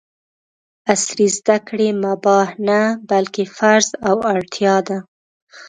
عصري زده کړې مباح نه ، بلکې فرض او اړتیا ده!